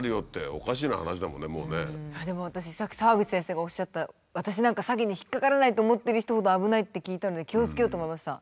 でも私さっき澤口先生がおっしゃった私なんか詐欺に引っかからないと思ってる人ほど危ないって聞いたので気をつけようと思いました。